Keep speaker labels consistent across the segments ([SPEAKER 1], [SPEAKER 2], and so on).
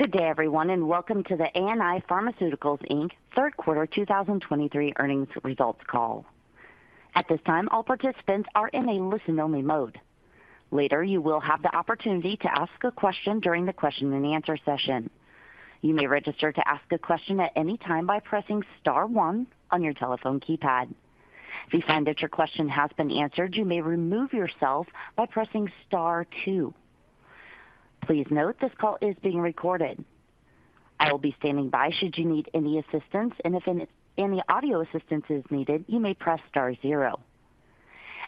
[SPEAKER 1] Good day, everyone, and welcome to the ANI Pharmaceuticals Inc. third quarter 2023 earnings results call. At this time, all participants are in a listen-only mode. Later, you will have the opportunity to ask a question during the question-and-answer session. You may register to ask a question at any time by pressing star one on your telephone keypad. If you find that your question has been answered, you may remove yourself by pressing star two. Please note, this call is being recorded. I will be standing by should you need any assistance, and if any audio assistance is needed, you may press star zero.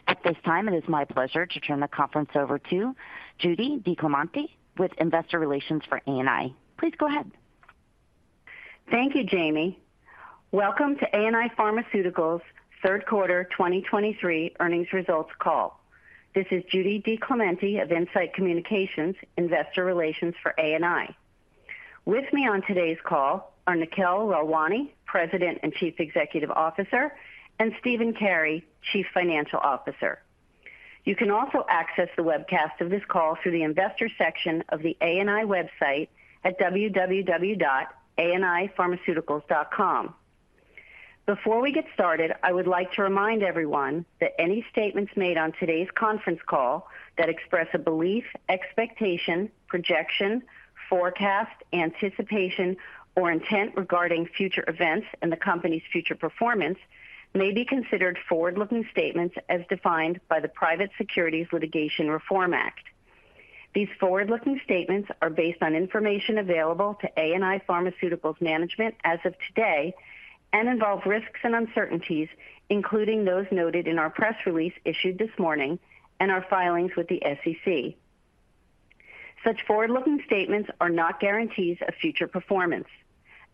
[SPEAKER 1] At this time, it is my pleasure to turn the conference over to Judy DiClemente with Investor Relations for ANI. Please go ahead.
[SPEAKER 2] Thank you, Jamie. Welcome to ANI Pharmaceuticals third quarter 2023 earnings results call. This is Judy DiClemente of In-Site Communications, Investor Relations for ANI. With me on today's call are Nikhil Lalwani, President and Chief Executive Officer, and Stephen Carey, Chief Financial Officer. You can also access the webcast of this call through the investor section of the ANI website at www.anipharmaceuticals.com. Before we get started, I would like to remind everyone that any statements made on today's conference call that express a belief, expectation, projection, forecast, anticipation, or intent regarding future events and the company's future performance may be considered forward-looking statements as defined by the Private Securities Litigation Reform Act. These forward-looking statements are based on information available to ANI Pharmaceuticals management as of today and involve risks and uncertainties, including those noted in our press release issued this morning and our filings with the SEC. Such forward-looking statements are not guarantees of future performance.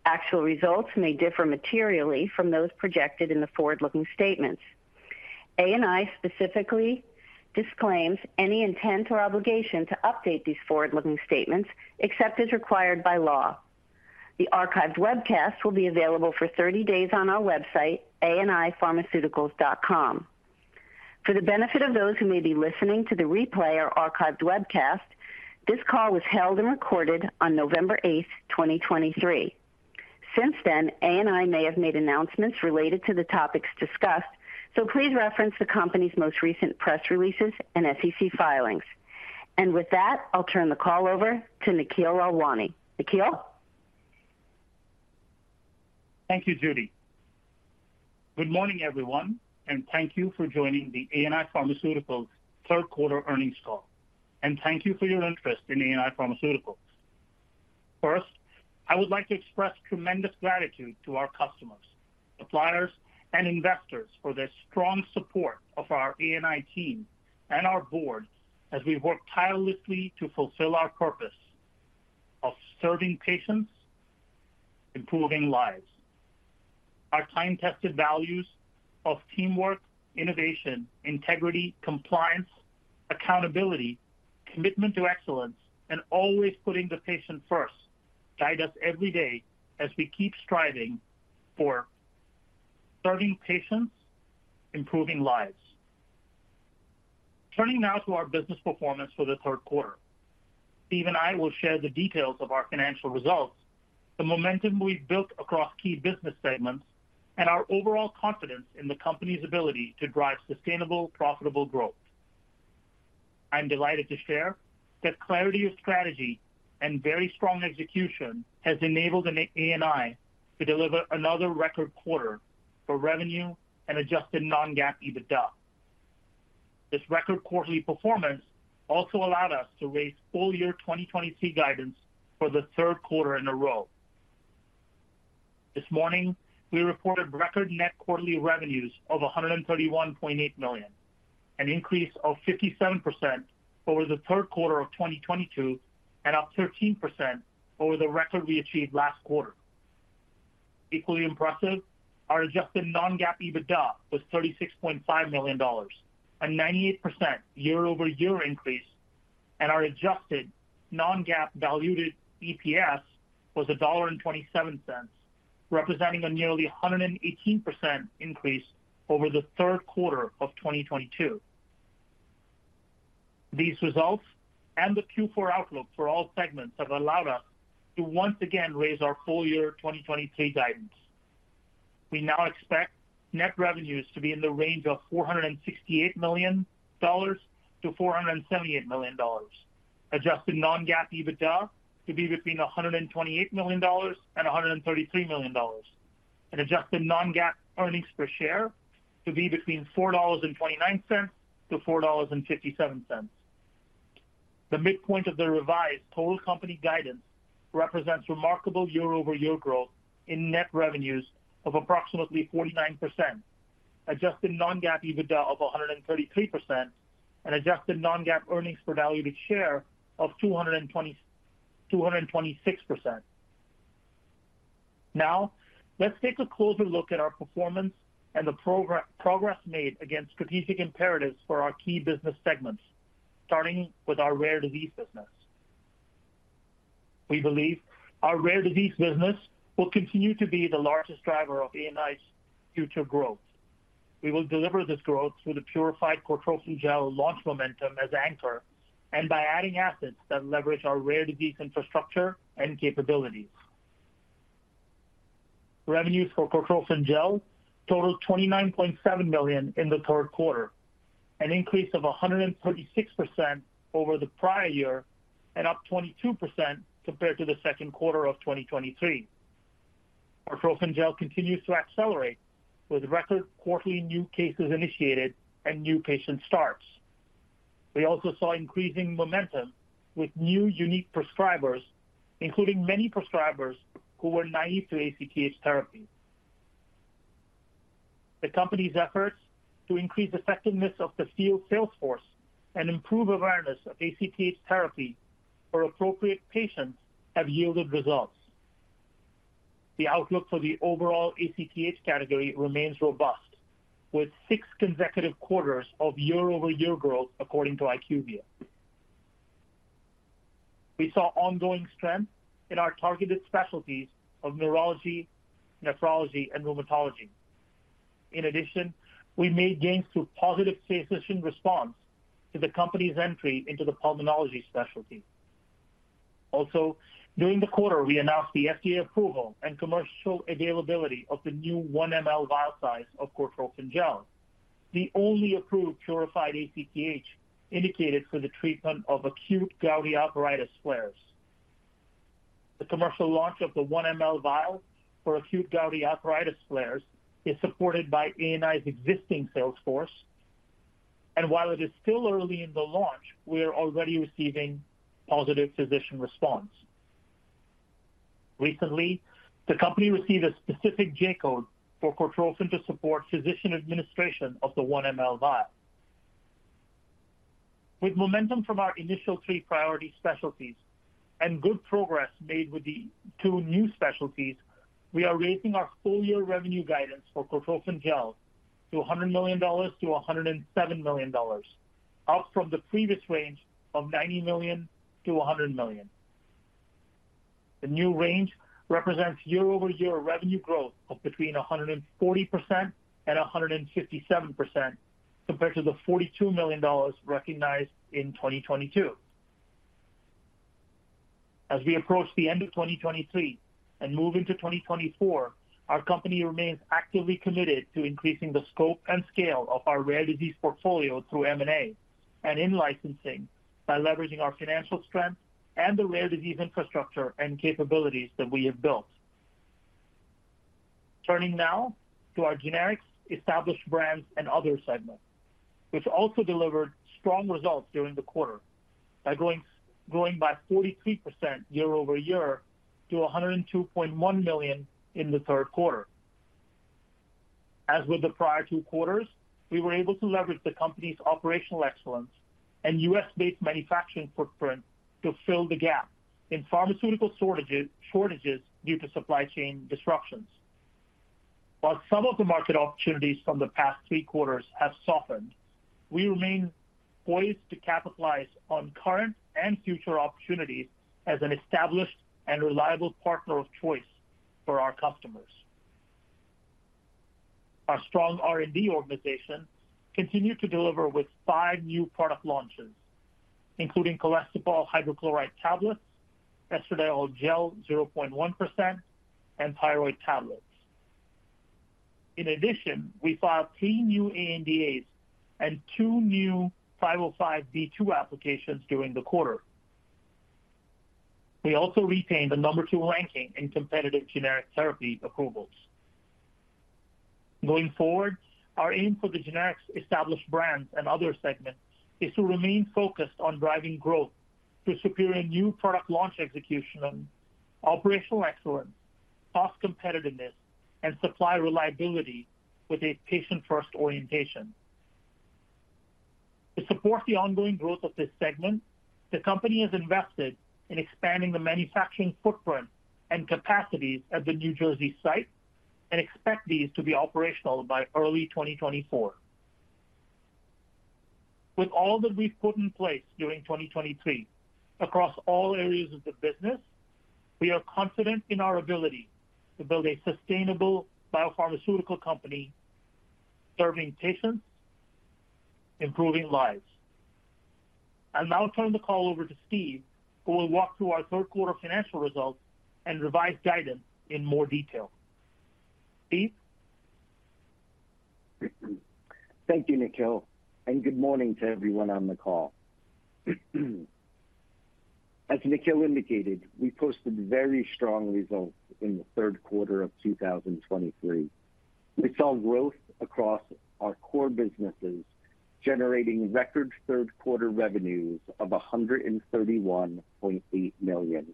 [SPEAKER 2] Actual results may differ materially from those projected in the forward-looking statements. ANI specifically disclaims any intent or obligation to update these forward-looking statements, except as required by law. The archived webcast will be available for 30 days on our website, anipharmaceuticals.com. For the benefit of those who may be listening to the replay or archived webcast, this call was held and recorded on November 8th, 2023. Since then, ANI may have made announcements related to the topics discussed, so please reference the company's most recent press releases and SEC filings. With that, I'll turn the call over to Nikhil Lalwani. Nikhil?
[SPEAKER 3] Thank you, Judy. Good morning, everyone, and thank you for joining the ANI Pharmaceuticals third quarter earnings call. Thank you for your interest in ANI Pharmaceuticals. First, I would like to express tremendous gratitude to our customers, suppliers, and investors for their strong support of our ANI team and our board as we work tirelessly to fulfill our purpose of serving patients, improving lives. Our time-tested values of teamwork, innovation, integrity, compliance, accountability, commitment to excellence, and always putting the patient first, guide us every day as we keep striving for serving patients, improving lives. Turning now to our business performance for the third quarter. Steve and I will share the details of our financial results, the momentum we've built across key business segments, and our overall confidence in the company's ability to drive sustainable, profitable growth. I'm delighted to share that clarity of strategy and very strong execution has enabled ANI to deliver another record quarter for revenue and adjusted non-GAAP EBITDA. This record quarterly performance also allowed us to raise full year 2023 guidance for the third quarter in a row. This morning, we reported record net quarterly revenues of $131.8 million, an increase of 57% over the third quarter of 2022 and up 13% over the record we achieved last quarter. Equally impressive, our adjusted non-GAAP EBITDA was $36.5 million, a 98% year-over-year increase, and our adjusted non-GAAP diluted EPS was $1.27, representing a nearly 118% increase over the third quarter of 2022. These results and the Q4 outlook for all segments have allowed us to once again raise our full-year 2023 guidance. We now expect net revenues to be in the range of $468 million-$478 million. Adjusted non-GAAP EBITDA to be between $128 million-$133 million. Adjusted non-GAAP earnings per share to be between $4.29-$4.57. The midpoint of the revised total company guidance represents remarkable year-over-year growth in net revenues of approximately 49%, adjusted non-GAAP EBITDA of 133%, and adjusted non-GAAP earnings per diluted share of 226%. Now, let's take a closer look at our performance and the progress made against strategic imperatives for our key business segments, starting with our rare disease business. We believe our rare disease business will continue to be the largest driver of ANI's future growth... We will deliver this growth through the Purified Cortrophin Gel launch momentum as anchor, and by adding assets that leverage our rare disease infrastructure and capabilities. Revenues for Cortrophin Gel totaled $29.7 million in the third quarter, an increase of 136% over the prior year and up 22% compared to the second quarter of 2023. Cortrophin Gel continues to accelerate, with record quarterly new cases initiated and new patient starts. We also saw increasing momentum with new unique prescribers, including many prescribers who were naive to ACTH therapy. The company's efforts to increase effectiveness of the field sales force and improve awareness of ACTH therapy for appropriate patients have yielded results. The outlook for the overall ACTH category remains robust, with six consecutive quarters of year-over-year growth, according to IQVIA. We saw ongoing strength in our targeted specialties of neurology, nephrology, and rheumatology. In addition, we made gains through positive physician response to the company's entry into the pulmonology specialty. Also, during the quarter, we announced the FDA approval and commercial availability of the new 1-mL vial size of Cortrophin Gel, the only approved purified ACTH indicated for the treatment of acute gouty arthritis flares. The commercial launch of the 1-mL vial for acute gouty arthritis flares is supported by ANI's existing sales force, and while it is still early in the launch, we are already receiving positive physician response. Recently, the company received a specific J-code for Cortrophin to support physician administration of the 1-mL vial. With momentum from our initial three priority specialties and good progress made with the two new specialties, we are raising our full-year revenue guidance for Cortrophin Gel to $100 million-$107 million, up from the previous range of $90 million-$100 million. The new range represents year-over-year revenue growth of between 140% and 157%, compared to the $42 million recognized in 2022. As we approach the end of 2023 and move into 2024, our company remains actively committed to increasing the scope and scale of our rare disease portfolio through M&A and in-licensing, by leveraging our financial strength and the rare disease infrastructure and capabilities that we have built. Turning now to our generics, established brands, and other segments, which also delivered strong results during the quarter by growing 43% year-over-year to $102.1 million in the third quarter. As with the prior two quarters, we were able to leverage the company's operational excellence and U.S.-based manufacturing footprint to fill the gap in pharmaceutical shortages due to supply chain disruptions. While some of the market opportunities from the past three quarters have softened, we remain poised to capitalize on current and future opportunities as an established and reliable partner of choice for our customers. Our strong R&D organization continued to deliver with five new product launches, including Cholestyramine hydrochloride tablets, Estradiol gel 0.1%, and Thyroid Tablets. In addition, we filed three new ANDAs and two new 505(b)(2) applications during the quarter. We also retained the number two ranking in Competitive Generic Therapy approvals. Going forward, our aim for the generics, established brands, and other segments, is to remain focused on driving growth through superior new product launch execution, operational excellence, cost competitiveness, and supply reliability with a patient-first orientation. To support the ongoing growth of this segment, the company has invested in expanding the manufacturing footprint and capacities at the New Jersey site and expect these to be operational by early 2024. With all that we've put in place during 2023, across all areas of the business, we are confident in our ability to build a sustainable biopharmaceutical company, serving patients, improving lives. I'll now turn the call over to Steve, who will walk through our third quarter financial results and revised guidance in more detail. Steve?
[SPEAKER 4] Thank you, Nikhil, and good morning to everyone on the call. As Nikhil indicated, we posted very strong results in the third quarter of 2023. We saw growth across our core businesses, generating record third-quarter revenues of $131.8 million.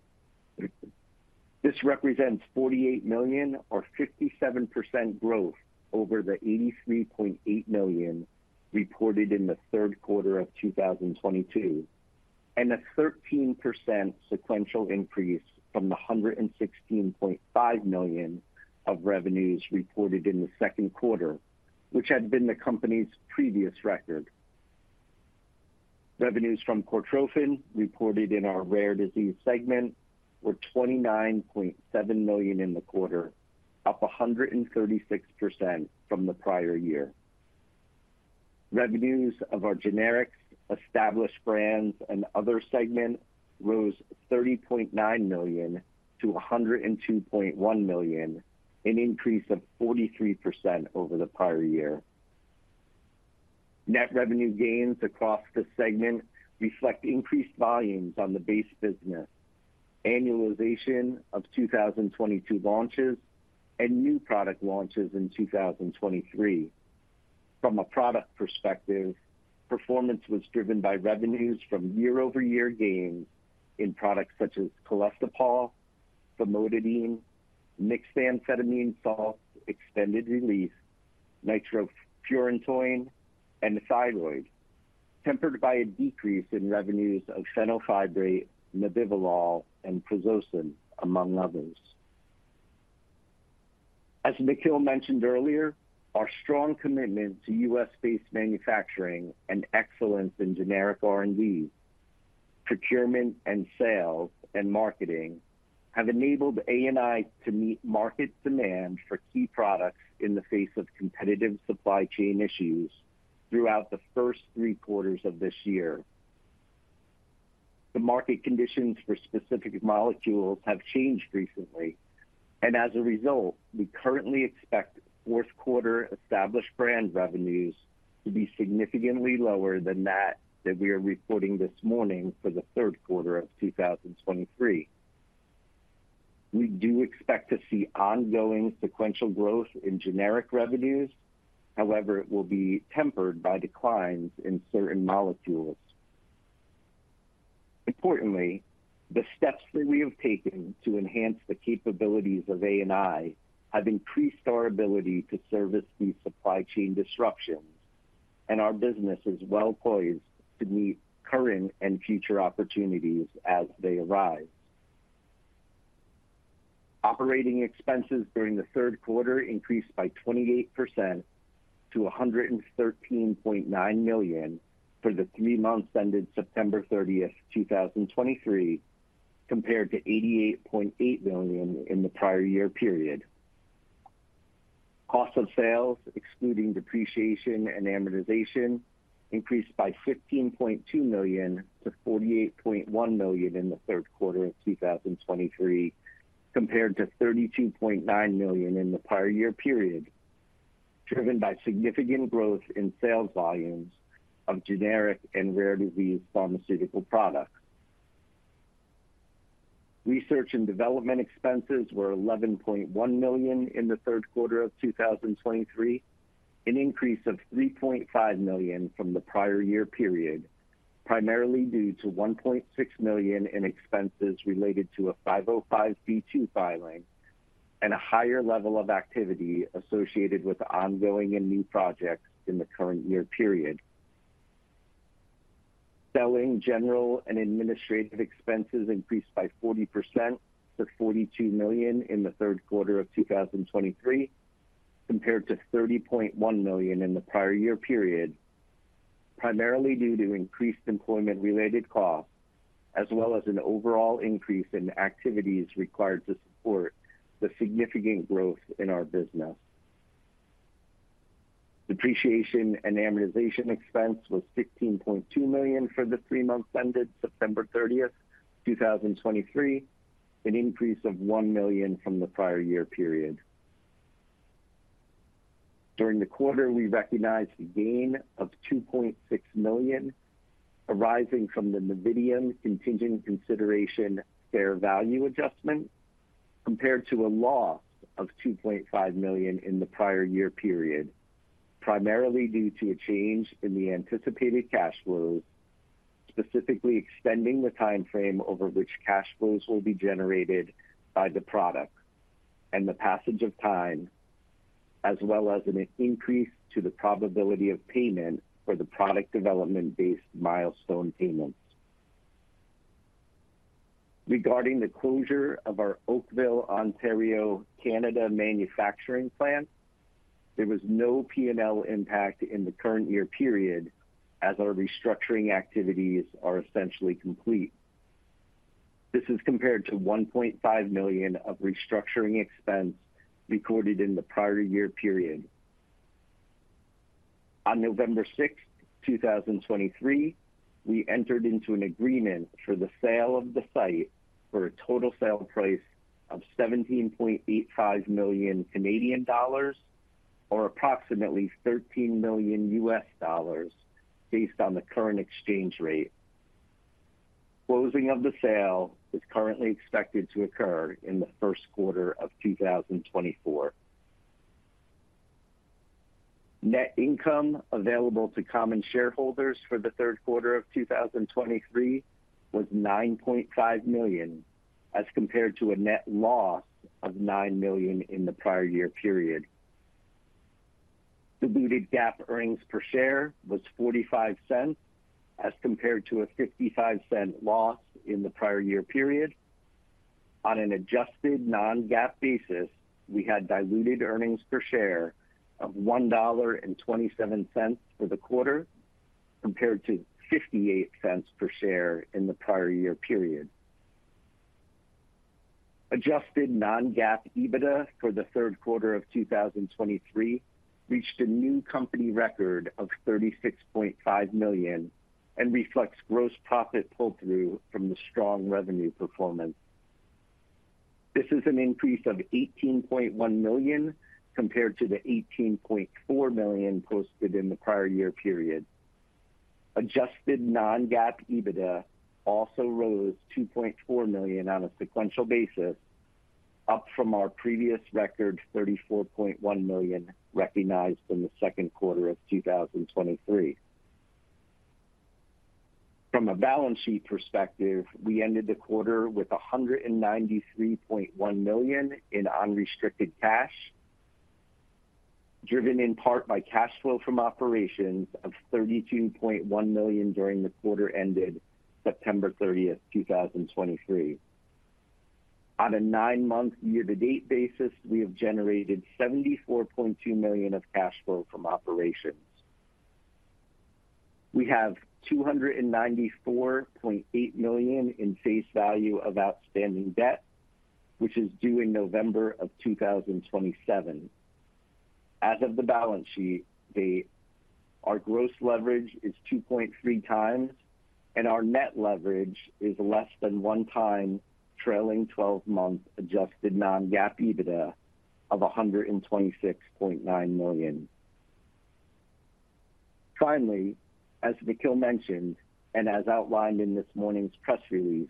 [SPEAKER 4] This represents $48 million, or 57% growth, over the $83.8 million reported in the third quarter of 2022, and a 13% sequential increase from the $116.5 million of revenues reported in the second quarter, which had been the company's previous record.... Revenues from Cortrophin, reported in our rare disease segment, were $29.7 million in the quarter, up 136% from the prior year. Revenues of our generics, established brands and other segment rose $30.9 million to $102.1 million, an increase of 43% over the prior year. Net revenue gains across the segment reflect increased volumes on the base business, annualization of 2022 launches and new product launches in 2023. From a product perspective, performance was driven by revenues from year-over-year gains in products such as Colestipol, Promethazine, Mixed Amphetamine Salts Extended Release, Nitrofurantoin, and Thyroid, tempered by a decrease in revenues of Fenofibrate, Nebivolol, and Prazosin, among others. As Nikhil mentioned earlier, our strong commitment to U.S.-based manufacturing and excellence in generic R&D, procurement and sales and marketing, have enabled ANI to meet market demand for key products in the face of competitive supply chain issues throughout the first three quarters of this year. The market conditions for specific molecules have changed recently, and as a result, we currently expect fourth quarter established brand revenues to be significantly lower than that that we are reporting this morning for the third quarter of 2023. We do expect to see ongoing sequential growth in generic revenues. However, it will be tempered by declines in certain molecules. Importantly, the steps that we have taken to enhance the capabilities of ANI have increased our ability to service these supply chain disruptions, and our business is well poised to meet current and future opportunities as they arise. Operating expenses during the third quarter increased by 28% to $113.9 million for the three months ended September 30th, 2023, compared to $88.8 million in the prior year period. Cost of sales, excluding depreciation and amortization, increased by $15.2 million to $48.1 million in the third quarter of 2023, compared to $32.9 million in the prior year period, driven by significant growth in sales volumes of generic and rare disease pharmaceutical products. Research and development expenses were $11.1 million in the third quarter of 2023, an increase of $3.5 million from the prior year period, primarily due to $1.6 million in expenses related to a 505(b)(2) filing and a higher level of activity associated with ongoing and new projects in the current year period. Selling, general and administrative expenses increased by 40% to $42 million in the third quarter of 2023, compared to $30.1 million in the prior year period, primarily due to increased employment-related costs, as well as an overall increase in activities required to support the significant growth in our business. Depreciation and amortization expense was $16.2 million for the three months ended September 30th, 2023, an increase of $1 million from the prior year period. During the quarter, we recognized a gain of $2.6 million arising from the Novitium contingent consideration fair value adjustment, compared to a loss of $2.5 million in the prior year period, primarily due to a change in the anticipated cash flows, specifically extending the time frame over which cash flows will be generated by the product and the passage of time, as well as an increase to the probability of payment for the product development-based milestone payments. Regarding the closure of our Oakville, Ontario, Canada, manufacturing plant, there was no P&L impact in the current year period as our restructuring activities are essentially complete. This is compared to $1.5 million of restructuring expense recorded in the prior year period. On November 6, 2023, we entered into an agreement for the sale of the site for a total sale price of 17.85 million Canadian dollars, or approximately $13 million, based on the current exchange rate. Closing of the sale is currently expected to occur in the first quarter of 2024. Net income available to common shareholders for the third quarter of 2023 was $9.5 million, as compared to a net loss of $9 million in the prior year period. Diluted GAAP earnings per share was $0.45, as compared to a $0.55 loss in the prior year period. On an adjusted non-GAAP basis, we had diluted earnings per share of $1.27 for the quarter, compared to $0.58 per share in the prior year period. Adjusted non-GAAP EBITDA for the third quarter of 2023 reached a new company record of $36.5 million and reflects gross profit pull-through from the strong revenue performance. This is an increase of $18.1 million compared to the $18.4 million posted in the prior year period. Adjusted non-GAAP EBITDA also rose $2.4 million on a sequential basis, up from our previous record, $34.1 million, recognized in the second quarter of 2023. From a balance sheet perspective, we ended the quarter with $193.1 million in unrestricted cash, driven in part by cash flow from operations of $32.1 million during the quarter ended September 30, 2023. On a nine-month year-to-date basis, we have generated $74.2 million of cash flow from operations. We have $294.8 million in face value of outstanding debt, which is due in November of 2027. As of the balance sheet date, our gross leverage is 2.3x, and our net leverage is less than 1x trailing 12-month adjusted non-GAAP EBITDA of $126.9 million. Finally, as Nikhil mentioned, and as outlined in this morning's press release,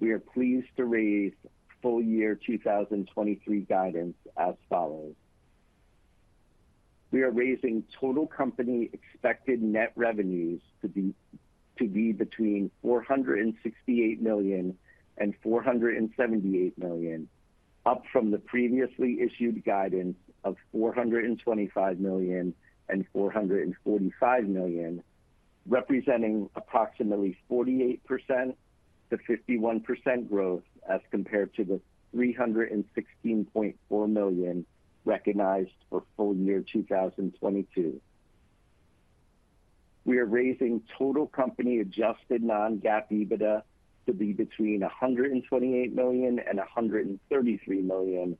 [SPEAKER 4] we are pleased to raise full year 2023 guidance as follows: We are raising total company expected net revenues to be between $468 million and $478 million, up from the previously issued guidance of $425 million and $445 million, representing approximately 48%-51% growth as compared to the $316.4 million recognized for full year 2022. We are raising total company adjusted non-GAAP EBITDA to be between $128 million and $133 million,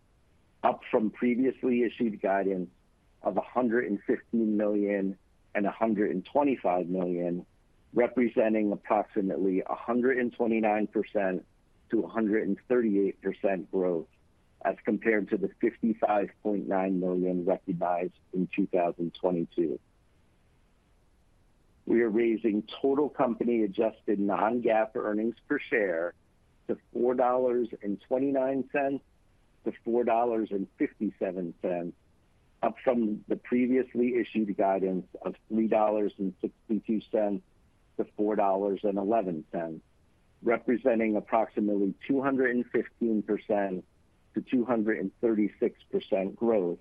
[SPEAKER 4] up from previously issued guidance of $115 million and $125 million, representing approximately 129%-138% growth as compared to the $55.9 million recognized in 2022. We are raising total company adjusted non-GAAP earnings per share to $4.29 to $4.57, up from the previously issued guidance of $3.62 to $4.11, representing approximately 215%-236% growth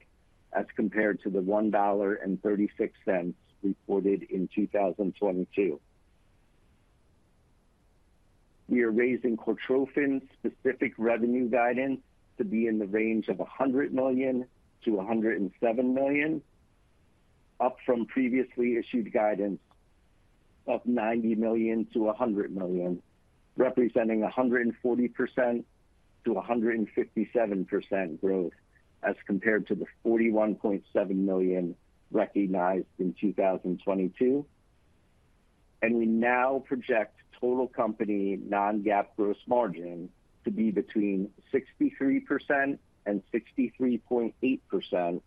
[SPEAKER 4] as compared to the $1.36 reported in 2022. We are raising Cortrophin's specific revenue guidance to be in the range of $100 million-$107 million, up from previously issued guidance of $90 million-$100 million, representing 140%-157% growth as compared to the $41.7 million recognized in 2022. We now project total company non-GAAP gross margin to be between 63%-63.8%,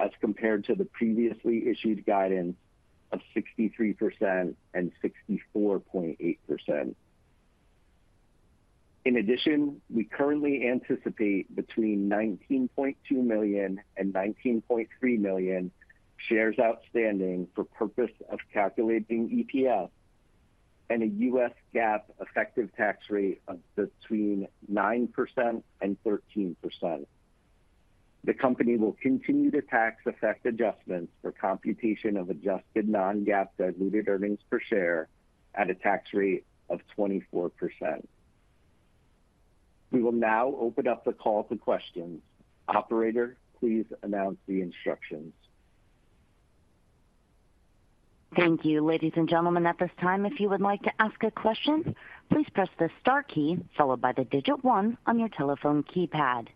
[SPEAKER 4] as compared to the previously issued guidance of 63%-64.8%. In addition, we currently anticipate between 19.2 million and 19.3 million shares outstanding for purpose of calculating EPS and a U.S. GAAP effective tax rate of between 9%-13%. The company will continue to tax effect adjustments for computation of adjusted non-GAAP diluted earnings per share at a tax rate of 24%. We will now open up the call to questions. Operator, please announce the instructions.
[SPEAKER 1] Thank you. Ladies and gentlemen, at this time, if you would like to ask a question, please press the star key followed by the digit one on your telephone keypad.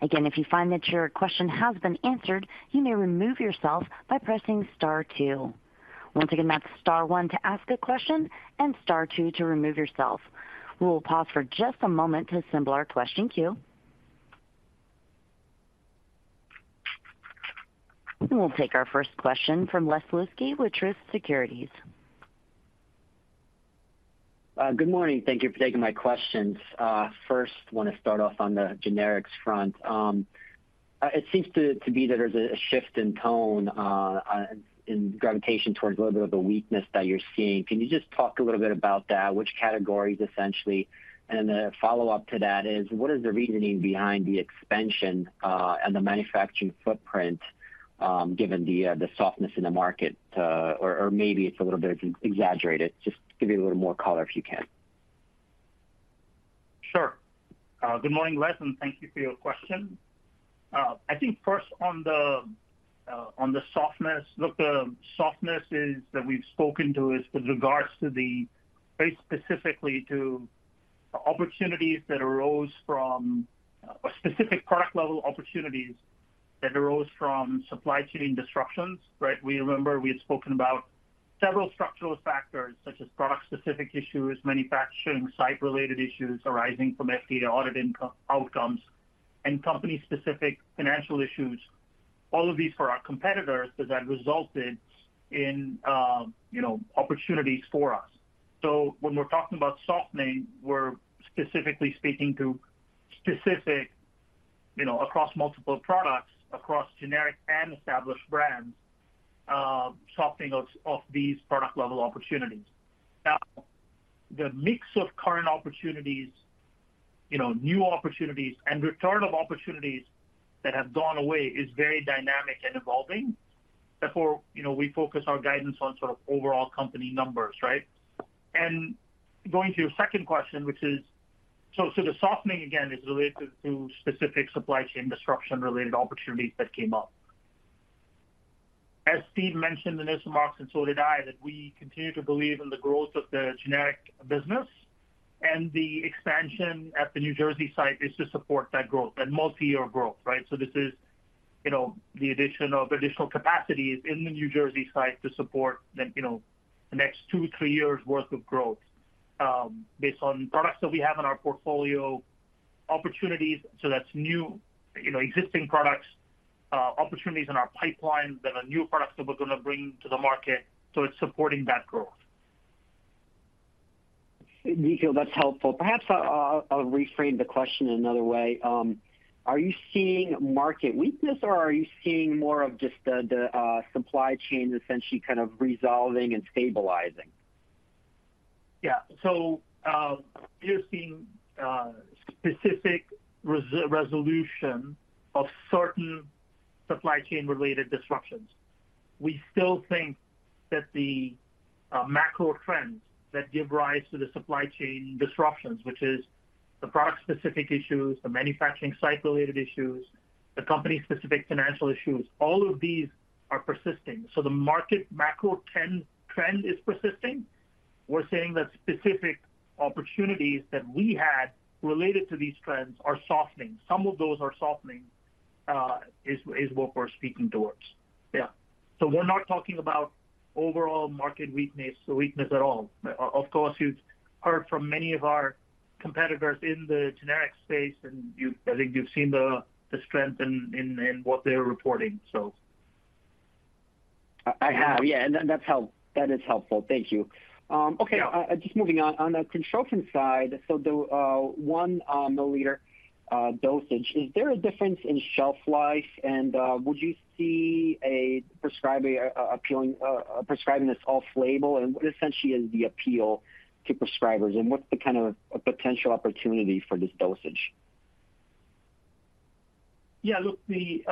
[SPEAKER 1] Again, if you find that your question has been answered, you may remove yourself by pressing star two. Once again, that's star one to ask a question and star two to remove yourself. We will pause for just a moment to assemble our question queue. We'll take our first question from Les Sulewski with Truist Securities.
[SPEAKER 5] Good morning. Thank you for taking my questions. First, want to start off on the generics front. It seems to be that there's a shift in tone in gravitation towards a little bit of a weakness that you're seeing. Can you just talk a little bit about that? Which categories, essentially? And then a follow-up to that is, what is the reasoning behind the expansion and the manufacturing footprint? Given the softness in the market, or maybe it's a little bit exaggerated. Just give me a little more color if you can.
[SPEAKER 3] Sure. Good morning, Les, and thank you for your question. I think first on the, on the softness—look, the softness is, that we've spoken to is with regards to the, very specifically to opportunities that arose from, specific product-level opportunities that arose from supply chain disruptions, right? We remember, we had spoken about several structural factors, such as product-specific issues, manufacturing, site-related issues arising from FDA audit outcomes, and company-specific financial issues, all of these for our competitors, but that resulted in, you know, opportunities for us. So when we're talking about softening, we're specifically speaking to specific, you know, across multiple products, across generic and established brands, softening of, of these product-level opportunities. Now, the mix of current opportunities, you know, new opportunities and return of opportunities that have gone away is very dynamic and evolving. Therefore, you know, we focus our guidance on sort of overall company numbers, right? And going to your second question, which is, so, so the softening again, is related to specific supply chain disruption-related opportunities that came up. As Steve mentioned in his remarks, and so did I, that we continue to believe in the growth of the generic business, and the expansion at the New Jersey site is to support that growth, that multi-year growth, right? So this is, you know, the addition of additional capacities in the New Jersey site to support the, you know, the next two, three years' worth of growth, based on products that we have in our portfolio, opportunities, so that's new, you know, existing products, opportunities in our pipelines, and the new products that we're going to bring to the market, so it's supporting that growth.
[SPEAKER 5] Thank you. That's helpful. Perhaps I'll reframe the question another way. Are you seeing market weakness, or are you seeing more of just the supply chain essentially kind of resolving and stabilizing?
[SPEAKER 3] Yeah. So, we are seeing specific resolution of certain supply chain-related disruptions. We still think that the macro trends that give rise to the supply chain disruptions, which is the product-specific issues, the manufacturing cycle-related issues, the company-specific financial issues, all of these are persisting. So the market macro trend is persisting. We're saying that specific opportunities that we had related to these trends are softening. Some of those are softening is what we're speaking towards. Yeah. So we're not talking about overall market weakness at all. Of course, you've heard from many of our competitors in the generic space, and you, I think you've seen the strength in what they're reporting, so.
[SPEAKER 5] I have. Yeah, and that's helpful. That is helpful. Thank you. Okay.
[SPEAKER 3] Yeah.
[SPEAKER 5] Just moving on. On the Cortrophin side, so the 1 milliliter dosage, is there a difference in shelf life? And would you see a prescriber appealing prescribing this off-label? And what essentially is the appeal to prescribers, and what's the kind of a potential opportunity for this dosage?
[SPEAKER 3] Yeah, look, the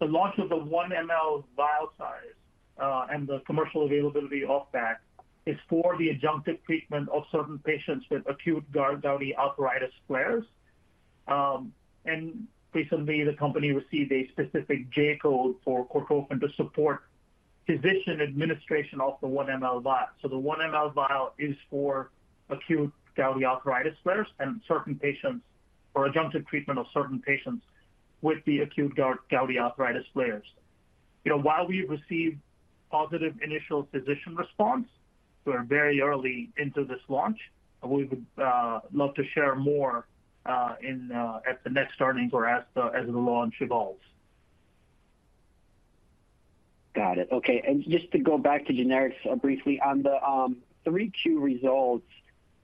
[SPEAKER 3] launch of the 1-mL vial size and the commercial availability of that is for the adjunctive treatment of certain patients with acute gouty arthritis flares. Recently, the company received a specific J-code for Cortrophin to support physician administration of the 1-mL vial. So the 1-mL vial is for acute gouty arthritis flares and certain patients, or adjunctive treatment of certain patients with the acute gout, gouty arthritis flares. You know, while we've received positive initial physician response, we're very early into this launch, and we would love to share more at the next earnings or as the launch evolves.
[SPEAKER 5] Got it. Okay. And just to go back to generics, briefly. On the 3Q results,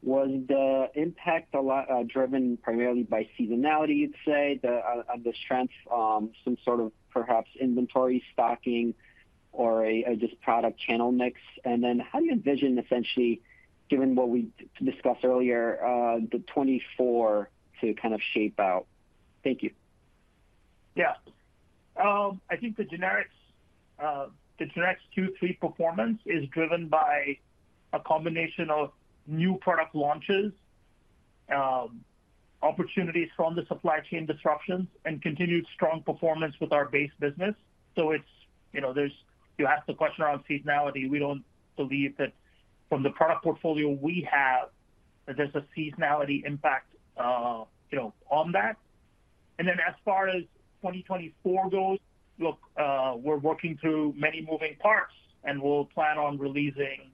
[SPEAKER 5] was the impact a lot driven primarily by seasonality, you'd say, the strength, some sort of perhaps inventory stocking or a just product channel mix? And then how do you envision essentially, given what we discussed earlier, the 2024 to kind of shape out? Thank you.
[SPEAKER 3] Yeah. I think the generics, the generics Q3 performance is driven by a combination of new product launches, opportunities from the supply chain disruptions, and continued strong performance with our base business. So it's, you know, there's. You asked the question around seasonality. We don't believe that from the product portfolio we have, that there's a seasonality impact, you know, on that. And then as far as 2024 goes, look, we're working through many moving parts, and we'll plan on releasing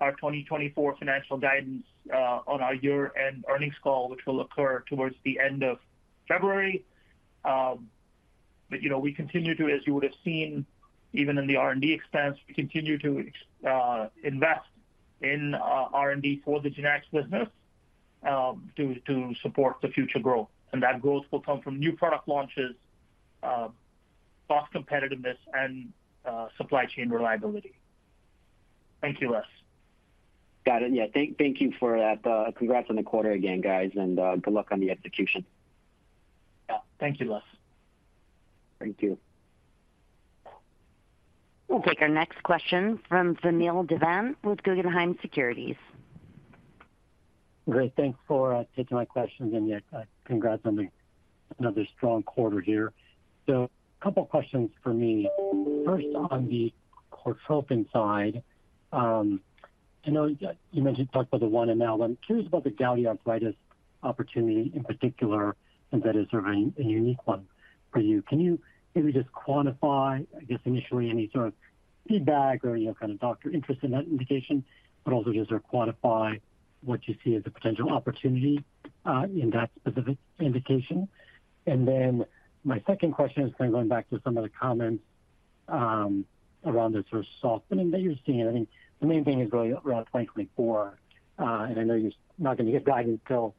[SPEAKER 3] our 2024 financial guidance, on our year-end earnings call, which will occur towards the end of February. But, you know, we continue to, as you would have seen, even in the R&D expense, we continue to, invest in, R&D for the generics business, to support the future growth. And that growth will come from new product launches, cost competitiveness, and, supply chain reliability. Thank you, Les.
[SPEAKER 5] Got it. Yeah, thank you for that. Congrats on the quarter again, guys, and good luck on the execution.
[SPEAKER 3] Yeah. Thank you, Les.
[SPEAKER 5] Thank you.
[SPEAKER 1] We'll take our next question from Vamil Divan with Guggenheim Securities.
[SPEAKER 6] Great. Thanks for taking my questions, and, yeah, congrats on another strong quarter here. So a couple questions for me. First, on the Cortrophin side, I know you talked about the 1-mL. I'm curious about the gouty arthritis opportunity in particular, and that is sort of a unique one for you. Can you maybe just quantify, I guess, initially, any sort of feedback or, you know, kind of doctor interest in that indication? But also just sort of quantify what you see as the potential opportunity in that specific indication. And then my second question is kind of going back to some of the comments around the sort of softening that you're seeing. I think the main thing is really around 2024. I know you're not going to give guidance till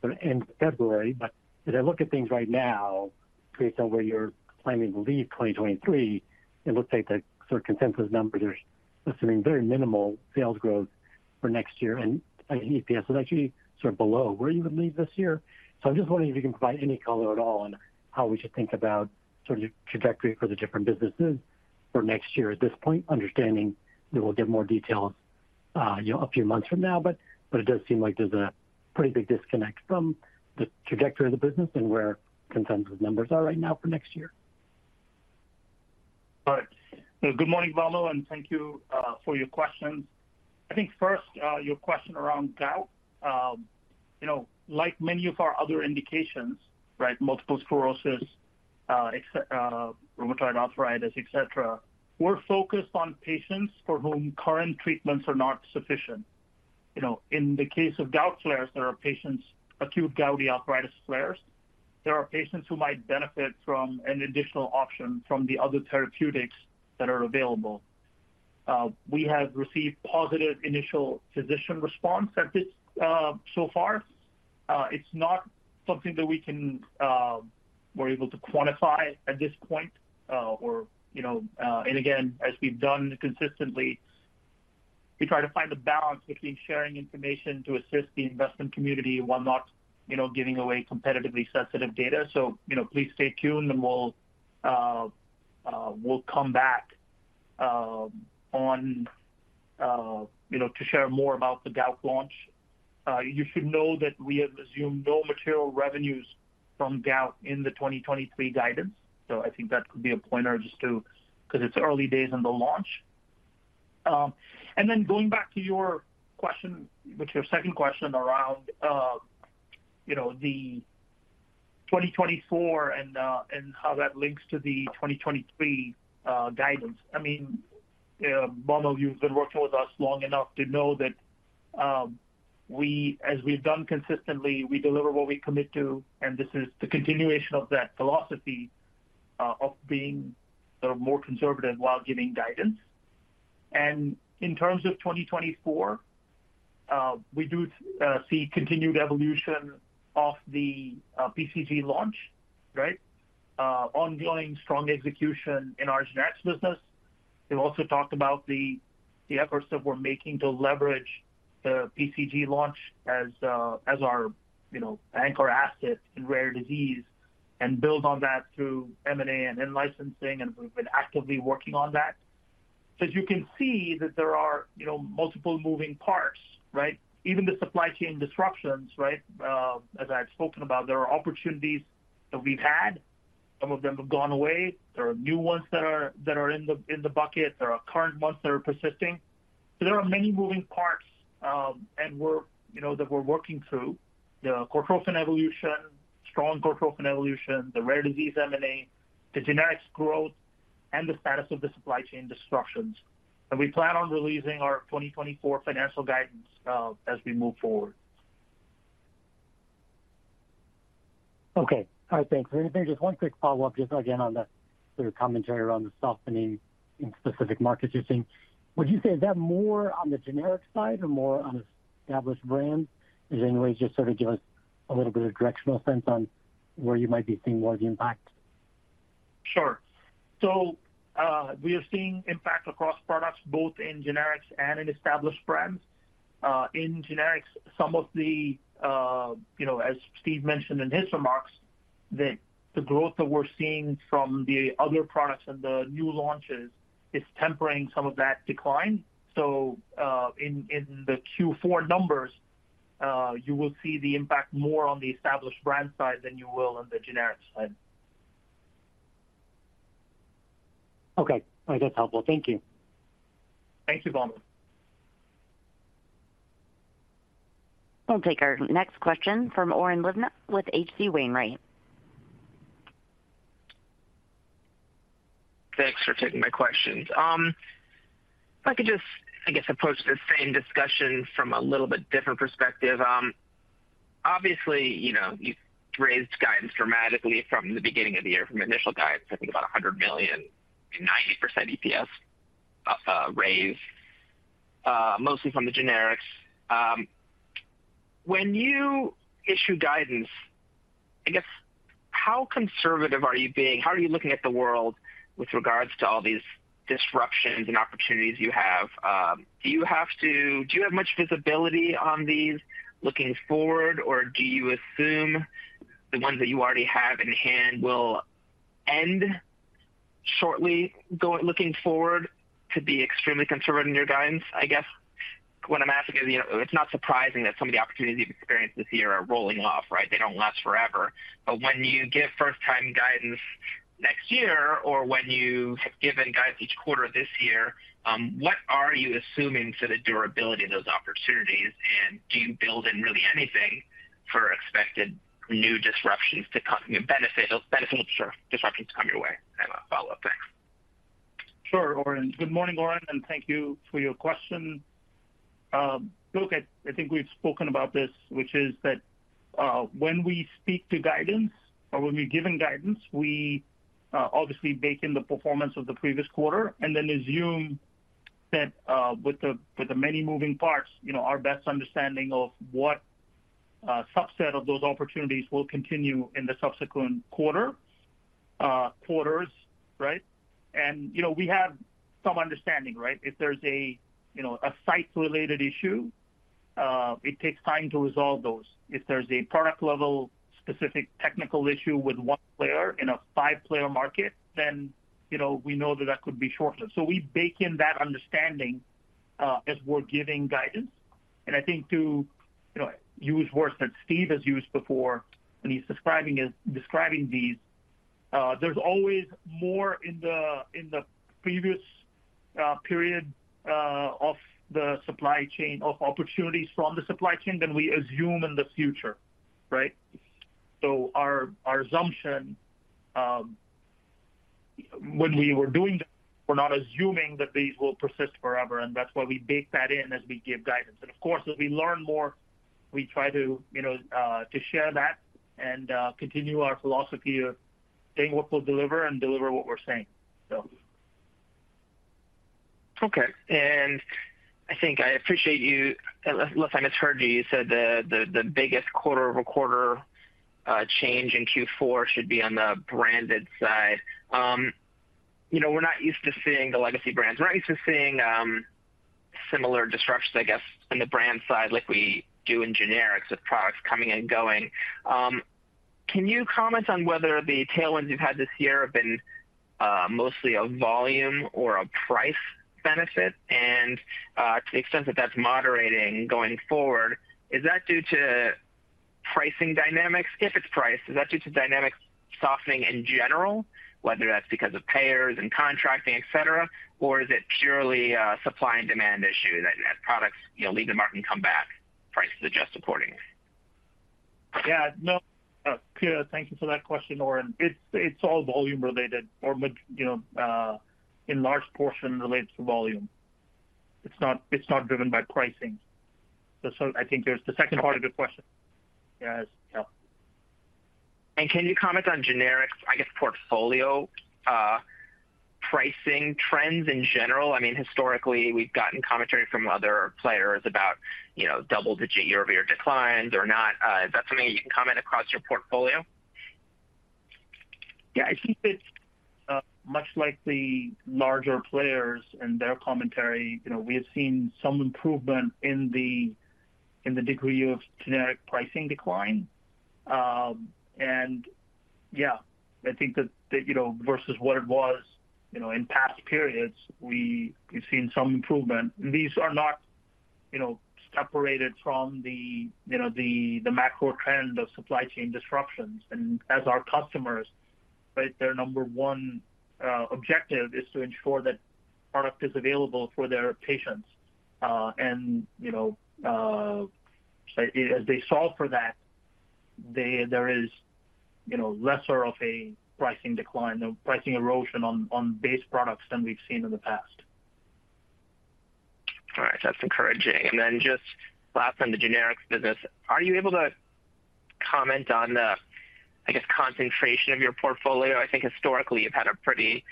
[SPEAKER 6] sort of end of February, but as I look at things right now, based on where you're planning to leave 2023, it looks like the sort of consensus numbers are assuming very minimal sales growth for next year, and EPS is actually sort of below where you would leave this year. I'm just wondering if you can provide any color at all on how we should think about sort of the trajectory for the different businesses for next year at this point, understanding that we'll get more details, you know, a few months from now. But it does seem like there's a pretty big disconnect from the trajectory of the business and where consensus numbers are right now for next year.
[SPEAKER 3] All right. Good morning, Vamil, and thank you for your questions. I think first your question around gout. You know, like many of our other indications, right, multiple sclerosis, except, rheumatoid arthritis, et cetera, we're focused on patients for whom current treatments are not sufficient. You know, in the case of gout flares, there are patients, acute gouty arthritis flares. There are patients who might benefit from an additional option from the other therapeutics that are available. We have received positive initial physician response at this so far. It's not something that we can, we're able to quantify at this point, or, you know... And again, as we've done consistently, we try to find the balance between sharing information to assist the investment community while not, you know, giving away competitively sensitive data. So, you know, please stay tuned, and we'll come back, you know, to share more about the gout launch. You should know that we have assumed no material revenues from gout in the 2023 guidance, so I think that could be a pointer just to-- because it's early days in the launch. And then going back to your question, which your second question around, you know, the 2024 and how that links to the 2023 guidance. I mean, Vamil, you've been working with us long enough to know that, we, as we've done consistently, we deliver what we commit to, and this is the continuation of that philosophy, of being sort of more conservative while giving guidance. In terms of 2024, we do see continued evolution of the PCG launch, right? Ongoing strong execution in our generics business. We've also talked about the efforts that we're making to leverage the PCG launch as our you know anchor asset in rare disease and build on that through M&A and in-licensing, and we've been actively working on that. So as you can see, there are you know multiple moving parts, right? Even the supply chain disruptions, right, as I've spoken about, there are opportunities that we've had. Some of them have gone away. There are new ones that are in the bucket. There are current ones that are persisting. So there are many moving parts, and we're you know working through. The Cortrophin evolution, strong Cortrophin evolution, the rare disease M&A, the generics growth, and the status of the supply chain disruptions. We plan on releasing our 2024 financial guidance, as we move forward.
[SPEAKER 6] Okay. All right, thanks. So just one quick follow-up, just again, on the sort of commentary around the softening in specific markets you're seeing. Would you say is that more on the generic side or more on established brands? Is there any way you can just sort of give us a little bit of directional sense on where you might be seeing more of the impact?
[SPEAKER 3] Sure. So, we are seeing impact across products, both in generics and in established brands. In generics, some of the, you know, as Steve mentioned in his remarks, the growth that we're seeing from the other products and the new launches is tempering some of that decline. So, in the Q4 numbers, you will see the impact more on the established brand side than you will on the generics side.
[SPEAKER 6] Okay. All right. That's helpful. Thank you.
[SPEAKER 3] Thank you, Vamil.
[SPEAKER 1] We'll take our next question from Oren Livnat with HC Wainwright.
[SPEAKER 7] Thanks for taking my questions. If I could just, I guess, approach this same discussion from a little bit different perspective. Obviously, you know, you've raised guidance dramatically from the beginning of the year, from initial guidance, I think about $100 million and 90% EPS raise, mostly from the generics. When you issue guidance, I guess, how conservative are you being? How are you looking at the world with regards to all these disruptions and opportunities you have? Do you have much visibility on these looking forward, or do you assume the ones that you already have in hand will end shortly, looking forward to be extremely conservative in your guidance? I guess what I'm asking is, you know, it's not surprising that some of the opportunities you've experienced this year are rolling off, right? They don't last forever. But when you give first-time guidance next year or when you have given guidance each quarter this year, what are you assuming for the durability of those opportunities, and do you build in really anything for expected new disruptions to come, you know, beneficial disruptions to come your way? I have a follow-up. Thanks.
[SPEAKER 3] Sure, Oren. Good morning, Oren, and thank you for your question. Look, I think we've spoken about this, which is that, when we speak to guidance or when we're giving guidance, we obviously bake in the performance of the previous quarter and then assume that, with the, with the many moving parts, you know, our best understanding of what subset of those opportunities will continue in the subsequent quarter, quarters, right? And, you know, we have some understanding, right? If there's a, you know, a site-related issue, it takes time to resolve those. If there's a product-level specific technical issue with one player in a five-player market, then, you know, we know that that could be shorter. So we bake in that understanding, as we're giving guidance. I think to, you know, use words that Steve has used before when he's describing these. There's always more in the previous period of the supply chain of opportunities from the supply chain than we assume in the future, right? So our assumption, when we were doing that, we're not assuming that these will persist forever, and that's why we bake that in as we give guidance. Of course, as we learn more, we try to, you know, to share that and continue our philosophy of saying what we'll deliver and deliver what we're saying. So.
[SPEAKER 7] Okay. I think I appreciate you, unless I misheard you, you said the biggest quarter-over-quarter change in Q4 should be on the branded side. You know, we're not used to seeing the legacy brands. We're not used to seeing similar disruptions, I guess, on the brand side, like we do in generics, with products coming and going. Can you comment on whether the tailwinds you've had this year have been mostly a volume or a price benefit? And to the extent that that's moderating going forward, is that due to pricing dynamics? If it's price, is that due to dynamics softening in general, whether that's because of payers and contracting, et cetera, or is it purely a supply and demand issue, that as products, you know, leave the market and come back, prices adjust accordingly?
[SPEAKER 3] Yeah, no. Thank you for that question, Oren. It's all volume related, you know, in large portion relates to volume. It's not driven by pricing. So I think there's the second part of your question. Yeah.
[SPEAKER 7] Can you comment on generics, I guess, portfolio, pricing trends in general? I mean, historically, we've gotten commentary from other players about, you know, double-digit year-over-year declines or not. Is that something you can comment across your portfolio?
[SPEAKER 3] Yeah, I think it's much like the larger players and their commentary. You know, we have seen some improvement in the degree of generic pricing decline. And yeah, I think that, versus what it was in past periods, we've seen some improvement. These are not separated from the macro trend of supply chain disruptions. And as our customers, right, their number one objective is to ensure that product is available for their patients. And, you know, as they solve for that, there is lesser of a pricing decline, a pricing erosion on base products than we've seen in the past.
[SPEAKER 7] All right. That's encouraging. And then just last on the generics business, are you able to comment on the, I guess, concentration of your portfolio? I think historically you've had a pretty,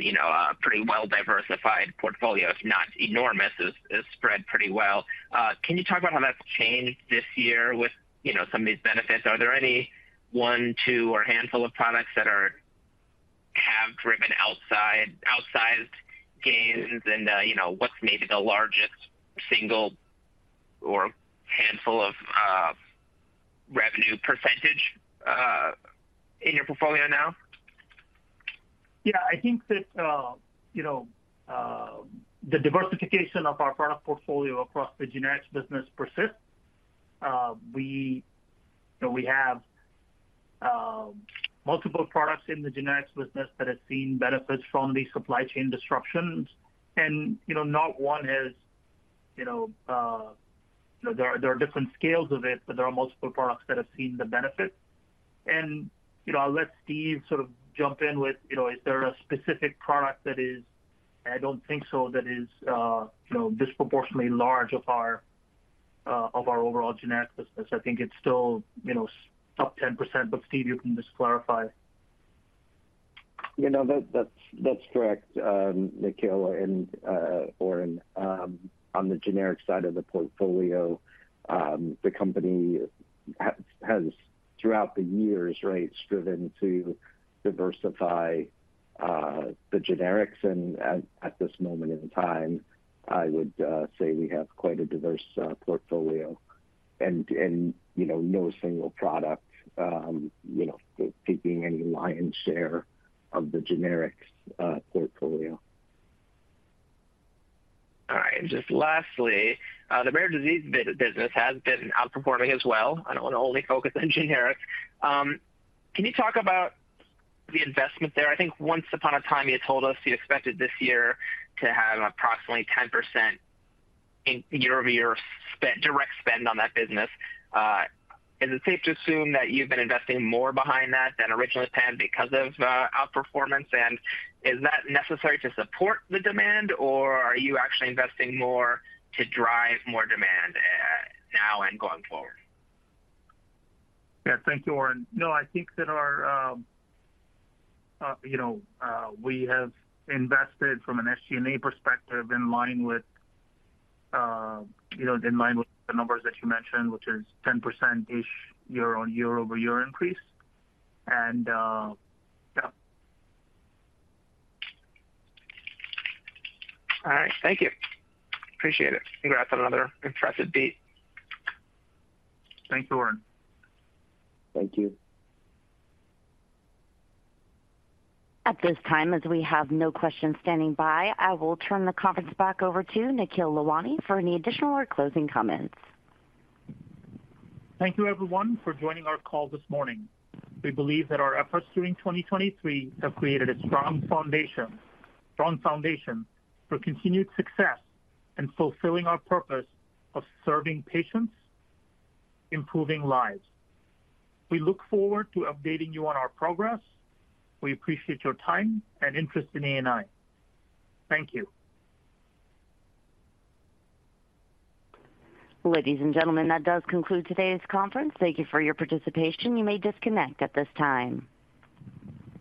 [SPEAKER 7] you know, a pretty well-diversified portfolio. It's not enormous. It's spread pretty well. Can you talk about how that's changed this year with, you know, some of these benefits? Are there any one, two, or handful of products that have driven outsized gains? And, you know, what's maybe the largest single or handful of, revenue percentage, in your portfolio now?
[SPEAKER 3] Yeah, I think that, you know, the diversification of our product portfolio across the generics business persists. We, you know, we have multiple products in the generics business that have seen benefits from the supply chain disruptions. And, you know, not one has, you know, there are, there are different scales of it, but there are multiple products that have seen the benefits. And, you know, I'll let Steve sort of jump in with, you know, is there a specific product that is, I don't think so, that is, you know, disproportionately large of our, of our overall generic business. I think it's still, you know, up 10%, but Steve, you can just clarify....
[SPEAKER 4] You know, that's correct, Nikhil and Oren. On the generic side of the portfolio, the company has throughout the years, right, striven to diversify the generics. And at this moment in time, I would say we have quite a diverse portfolio, and you know, no single product you know taking any lion's share of the generics portfolio.
[SPEAKER 7] All right. Just lastly, the rare disease business has been outperforming as well. I don't want to only focus on generics. Can you talk about the investment there? I think once upon a time, you told us you expected this year to have approximately 10% year-over-year spend, direct spend on that business. Is it safe to assume that you've been investing more behind that than originally planned because of outperformance? And is that necessary to support the demand, or are you actually investing more to drive more demand now and going forward?
[SPEAKER 3] Yeah, thank you, Oren. No, I think that our, you know, we have invested from an SG&A perspective in line with, you know, in line with the numbers that you mentioned, which is 10%-ish year-over-year increase. And, yeah.
[SPEAKER 7] All right. Thank you. Appreciate it. Congrats on another impressive beat.
[SPEAKER 3] Thanks, Oren.
[SPEAKER 4] Thank you.
[SPEAKER 1] At this time, as we have no questions standing by, I will turn the conference back over to Nikhil Lalwani for any additional or closing comments.
[SPEAKER 3] Thank you, everyone, for joining our call this morning. We believe that our efforts during 2023 have created a strong foundation, strong foundation for continued success in fulfilling our purpose of serving patients, improving lives. We look forward to updating you on our progress. We appreciate your time and interest in ANI. Thank you.
[SPEAKER 1] Ladies and gentlemen, that does conclude today's conference. Thank you for your participation. You may disconnect at this time.